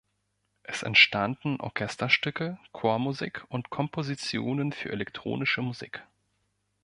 Es entstanden Orchesterstücke, Chormusik und Kompositionen für elektronische Musik.